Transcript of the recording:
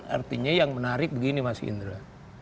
artinya yang menarik begini mas indra